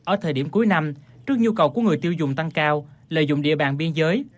ở thời điểm cuối năm trước nhu cầu của người tiêu dùng tăng cao lợi dụng địa bàn biên giới